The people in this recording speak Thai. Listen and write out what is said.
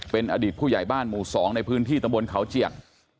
เป็นอดีตผู้ใหญ่บ้านหมู่๒ในพื้นที่ตำบลเขาเจียก